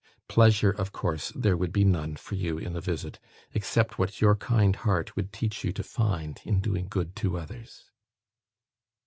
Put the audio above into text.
Pleasure, of course, there would be none for you in the visit, except what your kind heart would teach you to find in doing good to others."